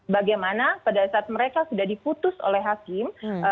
bagaimana pada saat mereka sudah diputus oleh hakim